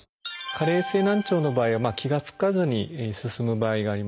加齢性難聴の場合は気が付かずに進む場合があります。